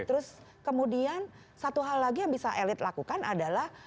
terus kemudian satu hal lagi yang bisa elit lakukan adalah